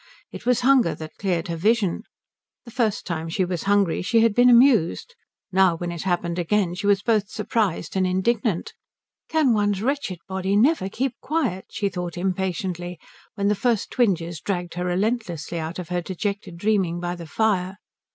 It was hunger that cleared her vision. The first time she was hungry she had been amused. Now when it happened again she was both surprised and indignant. "Can one's wretched body never keep quiet?" she thought impatiently, when the first twinges dragged her relentlessly out of her dejected dreaming by the fire.